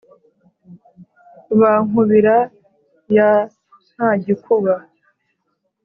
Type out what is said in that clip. ba nkubira ya ntagikuba,